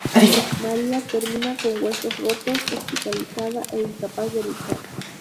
Mariah termina con huesos rotos hospitalizada e incapaz de luchar.